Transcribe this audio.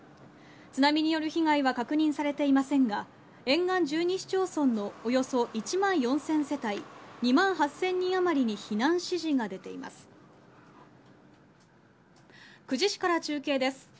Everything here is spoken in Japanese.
津波による被害は確認されていませんが、沿岸１２市町村のおよそ１万４０００世帯２万８０００人余りに避難指示が出ています。